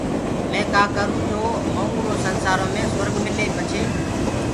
مي ڪآ ڪآم ڪروٚنٚ جو مئوٚنٚ اُرو سنسآرو مي سُرگ ملي پڇي